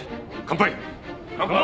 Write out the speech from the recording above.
乾杯！